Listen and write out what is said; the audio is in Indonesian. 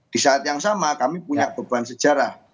di saat yang sama kami punya beban sejarah